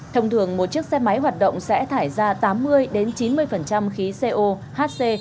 thông thường một chiếc xe máy hoạt động sẽ thải ra tám mươi chín mươi khí co hc